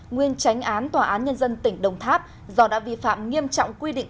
nguyên tránh án tòa án nhân dân tỉnh đồng tháp do đã vi phạm nghiêm trọng quy định